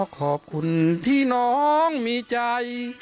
ขอบคุณที่น้องมีใจ